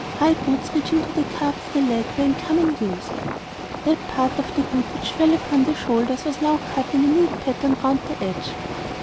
High boots reaching to the calf of the leg were in common use. That part of the hood which fell upon the shoulders was now cut in a neat pattern round the edge.